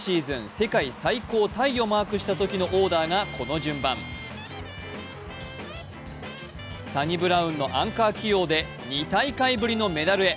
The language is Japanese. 世界最高タイをマークしたときのオーダーがこの順番サニブラウンのアンカー起用で２大会ぶりのメダルへ。